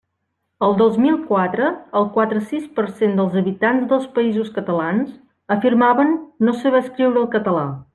El dos mil quatre el quatre-sis per cent dels habitants dels Països Catalans afirmaven no saber escriure el català.